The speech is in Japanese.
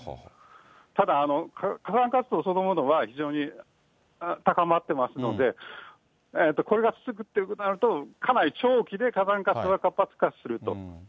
ただ火山活動そのものは非常に高まってますので、これが続くということになると、かなり長期で火山活動が活発化すると。